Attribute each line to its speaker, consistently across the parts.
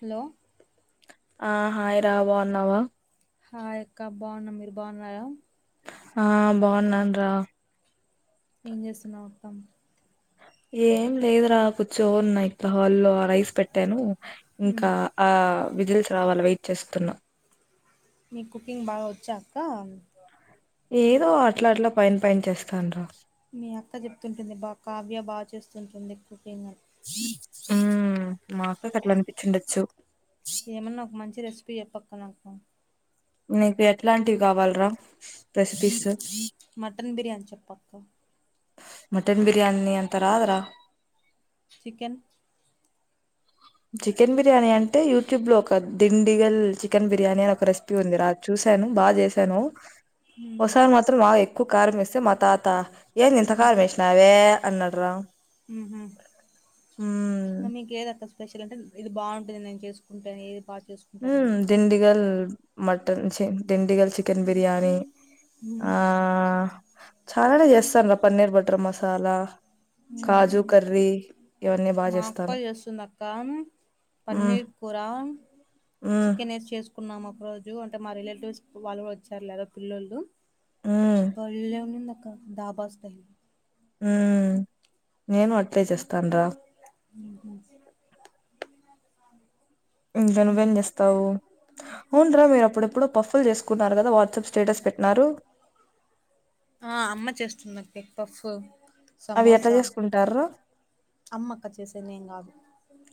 Speaker 1: Hello
Speaker 2: ఆ hi రా బాగున్నావ
Speaker 1: హోమ్ అక్క బాగున్నా మీరు బాగున్నారా
Speaker 2: ఆ బాగున్నాన్ రా
Speaker 1: ఏం చేస్తున్నావ్ అక్క
Speaker 2: ఏం లేదు రా కూర్చో ఉన్నా ఇలా హాల్లో రైస్ పెట్టాను
Speaker 1: ఉమ్,
Speaker 2: ఇంకా ఆ విజిల్స్ రావాల వెయిట్ చేస్తున్నా
Speaker 1: నీక కుకింగ్ బాగ వచ్చాక్క
Speaker 2: ఏదో అట్ల అట్ల పైన పైన చేస్తాన్ రా
Speaker 1: మీ అక్క చెప్తుంటుంది బా కావ్య బాగ చేస్తుంటుంది కుకింగ్ అని
Speaker 2: మ్ మా అక్క కట్లా అనిపించిండొచ్చు
Speaker 1: ఏమన్నా ఒక మంచి రెసిపీ చెప్పక్క నాకు
Speaker 2: నీకు ఎట్లాంటివి కావాల్రా రెసిపీస్
Speaker 1: మటన్ బిర్యానీ చెప్పక్క
Speaker 2: మటన్ బిర్యానిి అంత రాద్ర
Speaker 1: చికెన్
Speaker 2: చికెన్ బిర్యానీ అంటే యూట్యూబ్ లో ఒక దిండిగల్ చికెన్ బిర్ బిర్యానీ లో ఒక రెసిపీ ఉంది రా చూశాను బాగా చేశాను
Speaker 1: ఉమ్,
Speaker 2: ఒకసారి మాత్రం మాకు ఎక్కువ కారంమేస్తే మా తాత ఏం ఇంత కారం వేసినావే అన్నాడ్ రా
Speaker 1: ఉహు
Speaker 2: మ్
Speaker 1: నచ్చినంటె ఇది బాగుంటుది నేను చేసుకుంటేది బా
Speaker 2: ఉమ్ దిండీగల్ మటన్ చి దిండీగల్ చిక కెన్ బిర్యాణి
Speaker 1: ఉమ్,
Speaker 2: ఆ చాలానే చేస్తార్గా పన్నీర్ బటర్ మసాలా కాజు
Speaker 1: ఉమ్.
Speaker 2: కర్రీ ఇవన్నీ బాగ చేస్తాను హ్మ్
Speaker 1: పన్నిర్ కూరా
Speaker 2: హ్మ్
Speaker 1: చికెన్ వేస్ చేసుకున్నాం ఒక రోజు అంటే మా రిలేటివ్స్ వాళ్ళు కూడ వచ్చారు లేదా పిల్లలు
Speaker 2: హ్మ్
Speaker 1: బళ్లె ఉందక్క దాబస్తయి
Speaker 2: మ్ నేను అట్టే చేస్తాన్ రా ఇంకా నువ్వేం చేస్తావు ఉంటరా మీరు అప్పుడెప్పుడు పఫ్ఫులు చేసుకున్నారు కదా వా వాట్సప్ స్టేటస్ పెట్టినారు
Speaker 1: ఆ అమ్మ చేస్తుందండి పఫ్
Speaker 2: అవి ఎట్ల
Speaker 1: సమోసా
Speaker 2: చేసుకుంటార్ రా
Speaker 1: అే నేను కాదు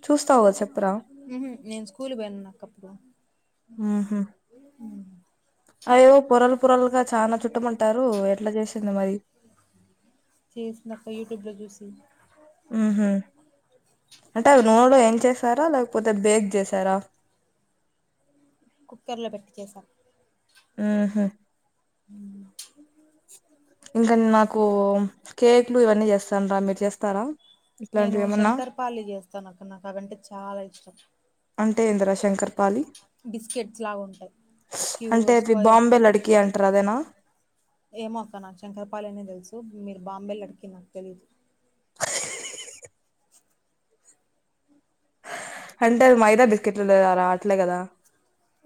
Speaker 2: చూస్తావు కదా చెప్పురా
Speaker 1: నేను స్కూల్ పోయి నానప్పుడు
Speaker 2: ఆహ అయెవో పొరలు పొరలుగా చాలా చుట్టమంటారు ఎట్ల చేసింది మరి
Speaker 1: చేసిందక్క యూట్యూబ్ లో చూసి
Speaker 2: ఊహు అంటే అవి నూనెలో వేమ్ చేసార లేకపోతే బేక్ చేసారా
Speaker 1: కుక్కర్ లో పెట్టి చేసాం
Speaker 2: ఊహు
Speaker 1: హ
Speaker 2: ఇంకా నాకు కేక్లు ఇవన్నీ చేస్తాన్ రా మీరు చేస్తారా
Speaker 1: నేను
Speaker 2: ఇట్లాంటివి ఏమన్నా
Speaker 1: శంకర్పాలి చేస్తానక్క నాకు అదంటే చాల ఇష్టం
Speaker 2: అంటే ఏంది రా చెప్పాలి
Speaker 1: బిస్కెట్స్ లాగా ఉంటాయి క్యూ
Speaker 2: అంటే అది
Speaker 1: స్క్వేర్
Speaker 2: బాంబే లడికి అంటారు అదేనా
Speaker 1: ఏమో అక్క నాకు శంకరపాలినే తెలుసు మీరు బాంబేలు అడికి నాకు తెలీదు
Speaker 2: అంటే మైదా బిస్కెట్లు లేరా అట్లే కదా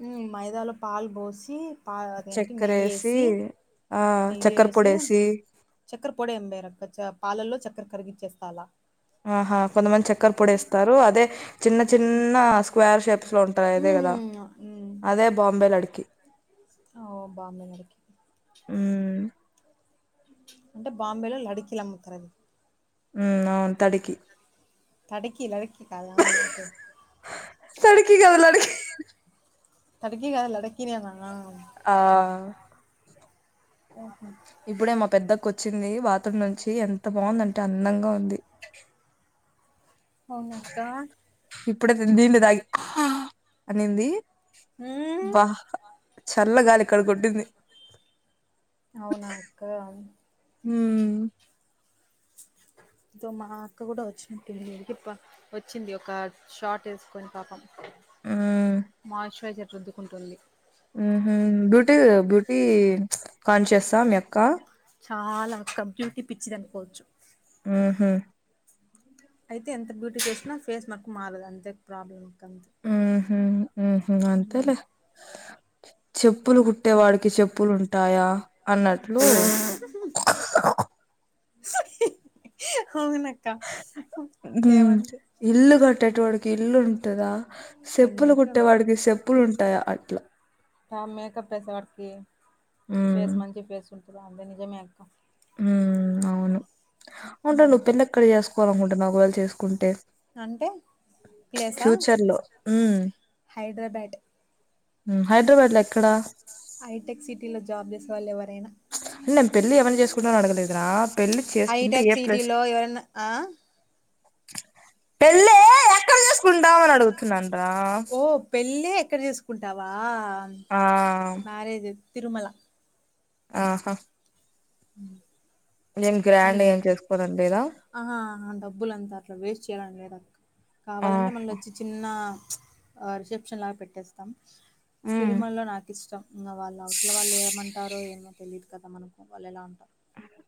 Speaker 1: ఉ మైదాలో పాలు పోసి పా అదేనికి
Speaker 2: చక్కెరేసి
Speaker 1: నెయ్యిసి
Speaker 2: ఆ
Speaker 1: నెయ్యి
Speaker 2: చక్కెర
Speaker 1: వేసి
Speaker 2: పొడేసి
Speaker 1: చక్కర్ పొడే ఎం వేయరు అక్క పాలల్లో చక్కర కరిగించు చేస్తాల
Speaker 2: ఆహా కొంతమంది చక్కర పొడిస్తారు అదే చిన్న
Speaker 1: ఉమ్
Speaker 2: చిన్న స్క్వేర్ షేప్స్ లో ఉంటాయి అదే కదా
Speaker 1: ఉమ్
Speaker 2: అదే బాంబే లడికి
Speaker 1: ఓ బాంబే లడికి
Speaker 2: ఉమ్
Speaker 1: అంటే బాంబేలో లడికిలు అమ్ముతారు అది
Speaker 2: ఉ అవును తడికి
Speaker 1: తడకిీలడికి కాదా ఆ ఒకే
Speaker 2: తడికి కాదు లడికి
Speaker 1: తడకి గాదు లడికినే
Speaker 2: ఆ
Speaker 1: ఓహో
Speaker 2: ఇప్పుడే మా పెద్ద వచ్చింది బాత్రూం నుంచి ఎంత బాగుందింటే అందంగా ఉంది
Speaker 1: అవునాక్క
Speaker 2: ఇప్పుడే దీన్ని దాగి అనింది
Speaker 1: ఉమ్
Speaker 2: అబ్బ చల్లగాలి ఇక్కడ కొట్టింది
Speaker 1: అవునాక్క
Speaker 2: ఉం
Speaker 1: సో మా అక్క కూడా వచ్చినంటుంది మీకి వచ్చింది ఒక షార్ట్ వేసుకొని పాపం
Speaker 2: ఉమ్
Speaker 1: మాశరైజర్ రుద్దుకుంటుంది
Speaker 2: బ్యూటీ బ్యూటీ కాన్షియసా మీ అక్క
Speaker 1: చాలాక్క బ్యూటీ పిచ్చిది అనుకోవచ్చు
Speaker 2: ఆహా
Speaker 1: అయితే ఎంత బ్యూటిఫికేషిన ఫేస్ మర్క్ మారదు అంతే ప్రాబ్లంత
Speaker 2: ఉమ్ ఉహు అంతలే చెప్పులు కుట్టే వాడికి చెప్పులుంటాయా అన్నట్లు
Speaker 1: అవునక్క ఏమంది
Speaker 2: కుట్టే వాడికి ఇల్లు ఉంటందా సేప్పులు
Speaker 1: అన్నట్టు
Speaker 2: కుట్టే వాడికి సేప్పులు ఉంటాయా అట్లా
Speaker 1: మేకప్ చేసేవాడికి
Speaker 2: హ్మ్
Speaker 1: ఫేస్ మంచి ఫేస్ ఉంటుందా అదే నిజంమే అక్క
Speaker 2: ఉ అవును ఉంటా నువ్వు పెళ్న్నెక్కడి చేసుకోవాలనుకుంటున్నావు ఒక్వెల చేసుకుంటే
Speaker 1: అంటే ప్లేసా?
Speaker 2: ఫ్యూచర్ లో ఉమ్
Speaker 1: హైదరాబాద్
Speaker 2: హైదరాబాద్ లో ఎక్కడా
Speaker 1: ఐటెక్ సిటీలో జాబ్ చేసేవాళ్ళ ఎవరైనా
Speaker 2: అంటే నేను పెళ్లి ఎవరిని చేసుకుంటానో అడగలేదురా పెళ్లి చేసుకుంటే
Speaker 1: హైటెక్
Speaker 2: ఏ ప్లస్
Speaker 1: సిటీలో ఎవరన్నా ఆ
Speaker 2: పెళ్ళ కుడామ అడుగుతున్నా
Speaker 1: ఓ పెళ్ళి ఎక్కడ చేసుకుంటావా
Speaker 2: ఆ
Speaker 1: మ్యారేజ్ తిరుమల
Speaker 2: ఆహా
Speaker 1: అ
Speaker 2: ఏం గ్రాండ్
Speaker 1: అన్నీ
Speaker 2: ఏం చేసుకోవాలని లేదా
Speaker 1: ఆ డబ్బులు అంతా అట్లా వేస్ట్ చేయాలని లేదాక్క
Speaker 2: ఆ
Speaker 1: కావాలంటే మళ్ళ వచ్చి చిన్న రిసెప్షన్ లాగా పెట్టేస్తాం
Speaker 2: హ్మ్
Speaker 1: తిరుమలలో నాకు ఇష్టం ఇంగ వాళ్ళు అవతల వాళ్ళు ఏమంటారో ఏమో తెలిదు కదా మనకు వాల్ ఎలా ఉంటారు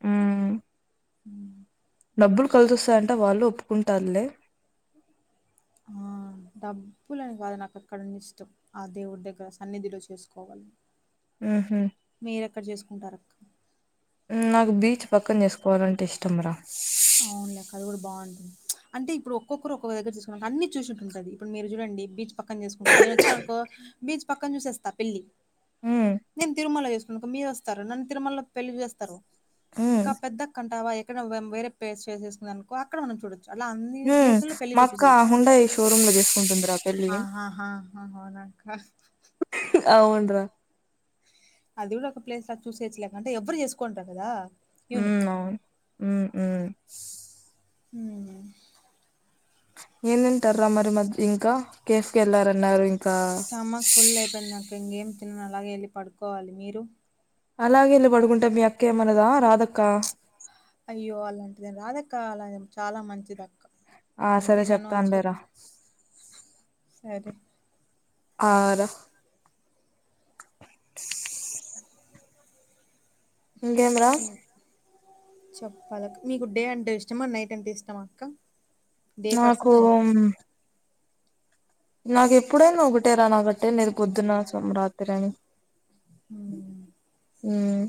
Speaker 2: ఉహ్
Speaker 1: హ్
Speaker 2: డబ్బులు కలుసొస్తాయంటే వాళ్ళు ఒప్పుకుంటారులే
Speaker 1: ఆ! డబ్బులని కాదు నాకు అక్కడ ఫస్ట్ ఆ దేవుడి దగ్గర సన్నిధిలో చేసుకోవాలి
Speaker 2: హుహు.
Speaker 1: మీరెక్కడ చేసుకుంటారు అక్క
Speaker 2: నాకు బీచ్ పక్కన చేసుకోవాలంటే ఇష్టం రా
Speaker 1: అవునులెక్క అది కూడా బాగుంటుంది అంటే ఇప్పు ఒక్కొక్కరుక్కొక్క దగ్గర తీసుకు అన్ని చూ ఉంటది ఇప్పుడు మీరు చూడండి బీచ్ పక్కన చేసుకుంటారు నేను వచ్చానుకో బీచ్ పక్కన చూసేస్త పెళ్ళి
Speaker 2: హ్మ్.
Speaker 1: నేను తిరుమల చేసుకున్నా అక్క మీరు వస్తారు నన్ను తిరుమలలో పెళ్లి చేస్తారు
Speaker 2: హ్మ్.
Speaker 1: ఇంకా పెద్ద కంటావా ఎక్కడ వేరే ప్లేస్ చేసేసుకుందనుకో అక్కడ మనం చూడం అలా అన్ని
Speaker 2: హ్మ్.
Speaker 1: ప్లేస్లల్లో
Speaker 2: మా
Speaker 1: పెళ్ళిలు
Speaker 2: అక్క
Speaker 1: చూసేయొచ్చూ
Speaker 2: హుండాయ్ షోరూమ్‌లో జేసుకుంటుందిరా పెళ్లి.
Speaker 1: అక్కా
Speaker 2: అవునురా
Speaker 1: అది కూడా ఒక ప్లేస్ కదా చూసేచ్చలేకంటే ఎవ్వరు చేసుకోంటారు కదా
Speaker 2: హు అవును ఉమ్ ఉ
Speaker 1: హ్మ్
Speaker 2: ఎంతింటర్ మరి మద్ ఇంకా కేఫ్ కెల్లార్ అన్నారు ఇంక
Speaker 1: స్టామక్ ఫుల్ అయిపోయింది నాక ఇంకేం తినని అలాగేవెళ్ళి పడుకోవాలి మీరు
Speaker 2: అలాగే ఎల్లి పడుకుంటె మీ అక్క ఏమన్నదా రాధక్క
Speaker 1: అయ్యో అలాంటిదేని రాదక్క అలా చాలా మంచిది అక్క
Speaker 2: ఆ సరే చెప్తాను లేరా
Speaker 1: సరే
Speaker 2: ఆ రా ఇంగేం రా
Speaker 1: చెప్పాలక్క మీకు డే అంటే ఇష్టమా నైట్ అంటే ఇష్టమా అక్క డే
Speaker 2: నాకు
Speaker 1: పర్సన్ నైట్ పర్సన్
Speaker 2: నాక ఎప్పుడైనా ఒకటే రా నాబట్టే నేను పొద్దున్న సోమ్ రాత్రి అని
Speaker 1: హ్మ్
Speaker 2: హ్మ్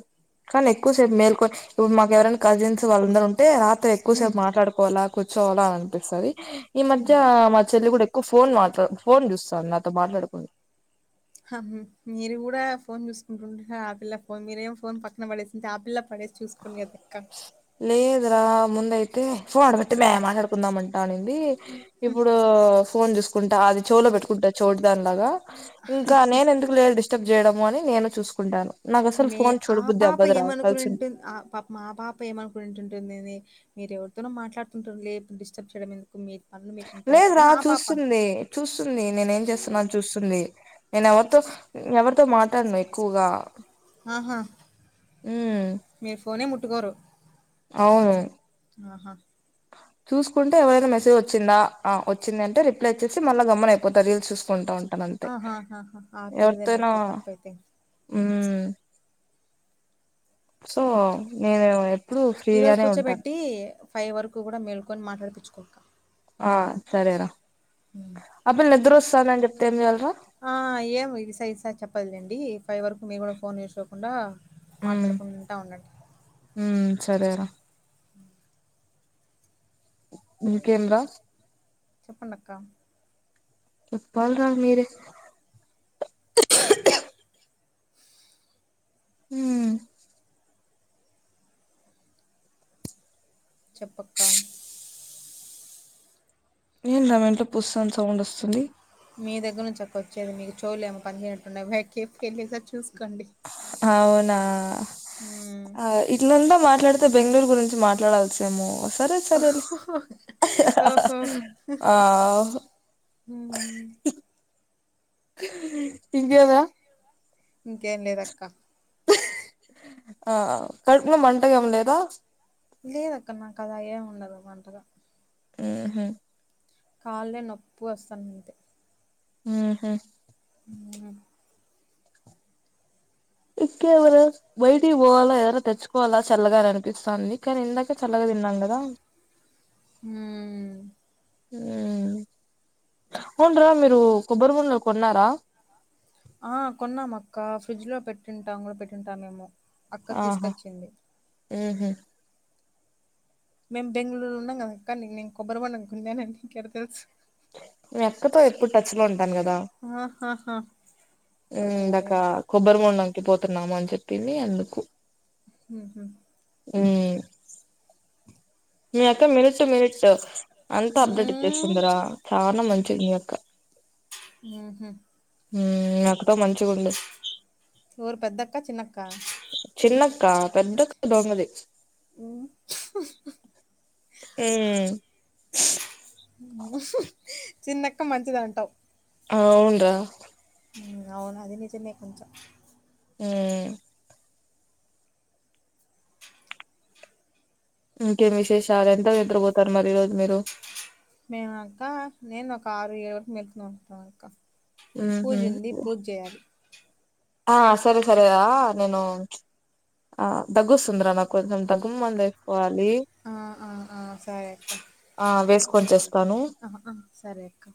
Speaker 2: కానీ ఎక్కువసేపు మేల్కొ ఇప్పుడు మాకు ఎవరైనా కజిన్స్ వాళ్ళందరు ఉం టే రాత్రి ఎక్కువసేపు
Speaker 1: హ్మ్
Speaker 2: మాట్లాడుకోవాలా కూర్చోవాలా అని అనిపిస్తది ఈ మధ్య మా చెల్లి కూడా ఎక్కువ ఫోన్ మాట్ ఫోన్ చూస్తాఉంది నాతో మాట్లాడుకోం
Speaker 1: మీరు కూడా ఫోన్ చూసుకుంటుంటారు ఆ పల్ల ఫోన్ మీరేం ఫోన్ పక్కన పడేసింటె ఆ పిల్ల పడేసి చూసుకును కదెక్క
Speaker 2: ఇద్ రా ముందయితే ఫోన్ ఆడబెట్టు మే మాట్లాడుకుందాం అనింది ఇప్పుడు ఫోన్ చూసుకుంటా అది చోలో పెట్టుకుంటాది చోటిదాని లాగా ఇంకా నేను ఎందుకు లే అని డిస్టర్బ్ చేయడం అని నేను చూసుకుంటాను నాకు అసలు
Speaker 1: మే
Speaker 2: ఫోన్
Speaker 1: ఆ
Speaker 2: చూడబుద్ది
Speaker 1: పాప
Speaker 2: అవ్వదురా కలిసి
Speaker 1: ఏమనుకునింటు ఆ పాప్ మా పాప ఏమనుకుంటుంటుందిని మీరు ఎవరితోనో మాట్లాడుతుంటు లే డిస్టర్బ్ చేయడం ఎందుకు మీ పనులు మీకు ఉంటాయి
Speaker 2: లేదు
Speaker 1: కదా
Speaker 2: రా
Speaker 1: అని ఆ పాప అనుకో
Speaker 2: చూస్తుంది చూస్తుంది నేనే ఏం చేస్తున్నా అని చూస్తుంది నేను ఎవరితో ఎవరితో మాట్లాడను ఎక్కువగా
Speaker 1: ఆహా
Speaker 2: ఉమ్
Speaker 1: మీరు ఫోనే ముట్టుకోరు
Speaker 2: అవును
Speaker 1: ఆహా
Speaker 2: చూసుకుంట ఎవరైనా మెసేజ్ వచ్చిందా ఆ వచ్చిందింట రిప్లై ఇచ్చేసి మళ్ళ గమ్మున అయిపోతా రీల్స్ చూసుకుంటా ఉం టది అంతే
Speaker 1: ఆహాహాహా ఆ పిల్లదే
Speaker 2: ఎవరితోయినా
Speaker 1: లేక తప్పైతే
Speaker 2: హ్మ్ సో నేను ఎప్పుడు
Speaker 1: ఈరోజు
Speaker 2: ఫ్రీగానే ఉంటా
Speaker 1: కూర్చోబెట్టి ఫైవ్ వరకు కూడా మేల్కొని మాట్లాడిపచ్చుకుంటా
Speaker 2: ఆ సరేరా ఆ పిల్ల నిద్ర వస్తోంది అని చెప్తే ఏం చేయాలిరా
Speaker 1: ఆ ఏం ఈస ఇస చెప్పదు లేండి పై వరకు మీరు కూడా ఫోన్ చేసుకోకుండా
Speaker 2: ఉమ్
Speaker 1: మాట్లాడుకుంటా ఉండండి
Speaker 2: సరే రా ఇంకేంరా
Speaker 1: చెప్పండక్క
Speaker 2: చెప్పరా మీరే హ్మ్
Speaker 1: చెప్పక్క
Speaker 2: ఏంది రా మీ ఇంట్లో పుస్సని సౌండ్ వస్తుంది
Speaker 1: మీ దగ్గర నుంచి అక్క వచ్చేది మీది చోవులు ఏమైనా పని చేయనట్టుండయిప్ప వెళ్ళిసారి చూసుకోండి
Speaker 2: అవునా
Speaker 1: ఉమ్
Speaker 2: ఆ ఇట్లుంటె మా ట్లాడితే బెంగళూరు గురించి మాట్లాడాల్స ఏమో సరే సరేలే ఆ
Speaker 1: హ్మ్
Speaker 2: ఇంకేమ
Speaker 1: ఇంకేం లేదక్క
Speaker 2: ఆ కడుపులో మంటగా ఏం లేదా
Speaker 1: లేదు అక్క నాక్ అలా ఏమి ఉండదు మంటగా
Speaker 2: ఉహ్మ్
Speaker 1: కళ్ళే నొప్పి వస్తది
Speaker 2: ఉహ్మ్
Speaker 1: హ
Speaker 2: ఇ [unintelligible] [inaudible] ఎవరు బయటికి పోవలో ఎదరు తెచ్చుకోవాలా చల్లగా అని అనిపిస్తుంది కానీ ఇందాక చల్లగా తిన్నాను కదా [unintelligible] [inaudible]
Speaker 1: హ్మ్
Speaker 2: ఉమ్ అవునురా మీరు కొబ్బరి గుండలో కొన్నారా
Speaker 1: ఆ కొన్నామ అక్కా ఫ్రిడ్జ్ లో పెట్టింటా పెట్టింటా మెమో అక్క
Speaker 2: ఆహా
Speaker 1: తీసుకొచ్చింది
Speaker 2: ఉహు
Speaker 1: మేం బెంగళూరు ఉన్నాం కదక్క నీను కొబ్బరి బొండం కొన్నానని నీకు ఎలా తెలుసు
Speaker 2: నేను అక్కతో ఎప్పుడు టచ్ లో ఉంటాను కదా
Speaker 1: ఆహా
Speaker 2: ఇందాక కొబ్బరి మొండకి పోతున్నాము అని చెప్పింది అందుకు
Speaker 1: హ్మ్ హ్మ్
Speaker 2: ఉ మీ అక్క మినిట్ మినిట్ అంతా అప్డేట్
Speaker 1: హ్మ్.
Speaker 2: ఇచ్చేస్తుందిరా చాలా మంచి ది మీ అక్క
Speaker 1: హుహు.
Speaker 2: నాకతో మంచిగా ఉండ
Speaker 1: ఓరు పెద్దక్క చిన్నక్క
Speaker 2: చిన్నక్క పెద్దక్క దొంగది
Speaker 1: హ్మ్.
Speaker 2: ఉమ్
Speaker 1: చిన్నక్క మంచిది అంటావ్
Speaker 2: అవును రా
Speaker 1: అవును అది నిజమే కొంచెం
Speaker 2: ఉమ్ ఇంకేం విశేషాలు ఎంతకి నిద్రపోతారు మరి ఈరోజు మీరు
Speaker 1: మేమా అక్క నేను ఒక ఆరు ఏడుకు నిద్రపోత అక్క
Speaker 2: మ్మ్
Speaker 1: పూజ
Speaker 2: హ్మ్
Speaker 1: ఉంది పూజ చేయాలి
Speaker 2: ఆ సరే సరేరా నేను ఆ దగ్గుస్తుందరా నాకు కొంచెం దగ్గు మందు వేసుకోవాలి
Speaker 1: ఆ! ఆ! ఆ సరే
Speaker 2: ఆ వేసుకొని చేస్తాను
Speaker 1: అక్క సరే అక్క